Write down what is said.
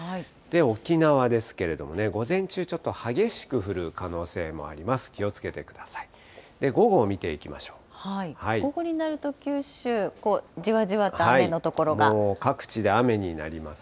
沖縄ですけれども、午前中、ちょっと激しく降る可能性もあります。